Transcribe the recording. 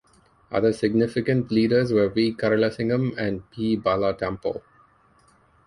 Other significant leaders were V. Karalasingham and P. Bala Tampoe.